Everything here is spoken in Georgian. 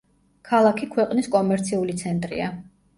ქალაქი ქვეყნის კომერციული ცენტრია.